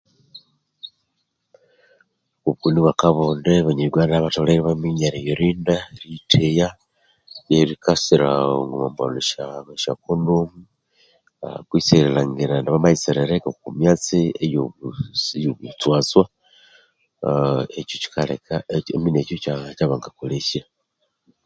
Obukoni bwakabonde abanya Uganda batholere ibaminya eriyirinda eritheya erikasira omwambalha esya kondomu kutse erilhangira indi bamayitsiririka oku myatsi yobusi yobutwatswa aaa ekyo kyabanga kolesya